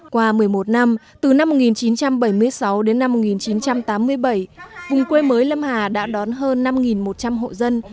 qua một mươi một năm từ năm một nghìn chín trăm bảy mươi sáu đến năm một nghìn chín trăm tám mươi bảy vùng quê mới lâm hà đã đón hơn năm một trăm linh hộ dân